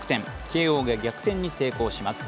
慶応が逆転に成功します。